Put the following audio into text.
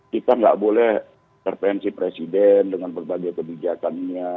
kita nggak boleh intervensi presiden dengan berbagai kebijakannya